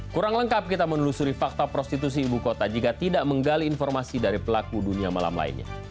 kurang lengkap kita menelusuri fakta prostitusi ibu kota jika tidak menggali informasi dari pelaku dunia malam lainnya